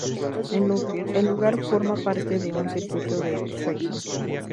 El lugar forma parte de un circuito de trekking.